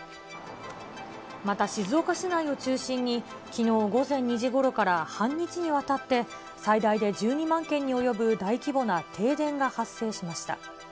また静岡市内を中心に、きのう午前２時ごろから半日にわたって、最大で１２万軒に及ぶ大規模な停電が発生しました。